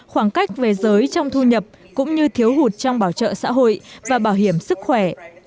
khoảng cách về giới trong thu nhập cũng như thiếu hụt trong bảo trợ xã hội và bảo hiểm sức khỏe